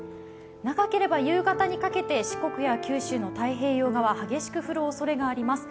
長ければ夕方にかけて四国や九州の太平洋側、激しく降るおそれがあります。